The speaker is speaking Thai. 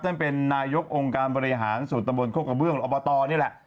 นั่นเป็นนายกองการบริหารสูตรบนโครงกระเบื้องอตนี่แหละ